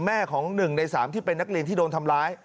ของ๑ใน๓ที่เป็นนักเรียนที่โดนทำร้าย